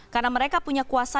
karena mereka punya kuasa